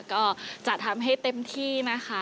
ก็จะทำให้เต็มที่นะคะ